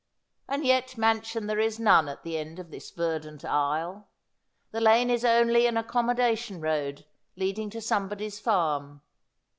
And yet mansion there is none at the end of this verdant aisle. The lane is only an accommodation road leading to somebody's farm.